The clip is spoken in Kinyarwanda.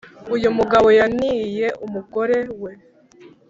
Uyumugabo yaniye umugore we